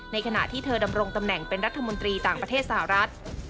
ขณะที่เธอดำรงตำแหน่งเป็นรัฐมนตรีต่างประเทศสหรัฐ